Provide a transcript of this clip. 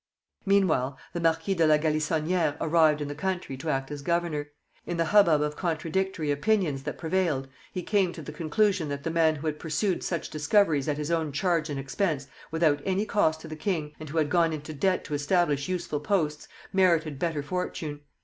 Meanwhile the Marquis de la Galissonière arrived in the country [to act as governor]. In the hubbub of contradictory opinions that prevailed, he came to the conclusion that the man who had pursued such discoveries at his own charge and expense, without any cost to the king, and who had gone into debt to establish useful posts, merited better fortune.